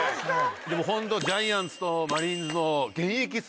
でもホントジャイアンツとマリーンズの。